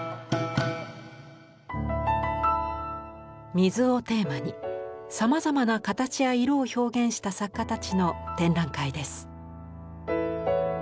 水をテーマにさまざまなかたちやいろを表現した作家たちの展覧会です。